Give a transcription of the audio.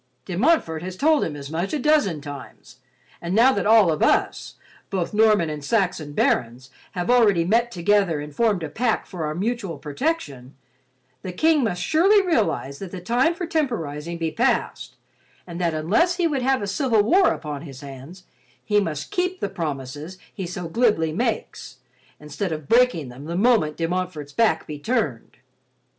"De Montfort has told him as much a dozen times, and now that all of us, both Norman and Saxon barons, have already met together and formed a pact for our mutual protection, the King must surely realize that the time for temporizing be past, and that unless he would have a civil war upon his hands, he must keep the promises he so glibly makes, instead of breaking them the moment De Montfort's back be turned."